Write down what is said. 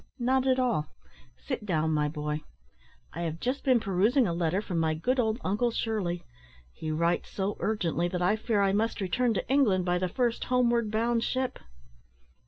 "Not at all; sit down, my boy. I have just been perusing a letter from my good old uncle Shirley: he writes so urgently that I fear I must return to England by the first homeward bound ship."